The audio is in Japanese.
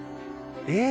えっ？